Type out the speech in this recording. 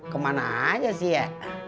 kemana saja sih ya